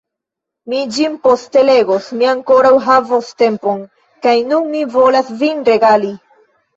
Mi ĝin poste legos, mi ankoraŭ havos tempon, kaj nun mi volas vin regali.